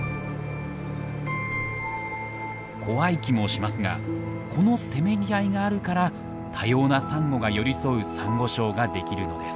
怖い気もしますがこのせめぎ合いがあるから多様なサンゴが寄り添うサンゴ礁ができるのです。